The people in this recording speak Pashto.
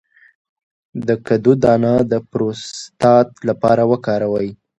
د کدو دانه د پروستات لپاره وکاروئ